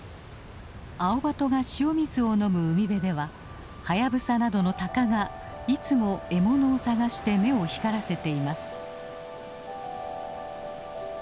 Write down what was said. アオバトが塩水を飲む海辺ではハヤブサなどのタカがいつも獲物を探して目を光らせています。